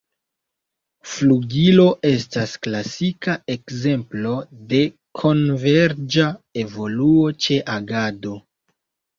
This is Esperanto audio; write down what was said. Flugilo estas klasika ekzemplo de konverĝa evoluo ĉe agado.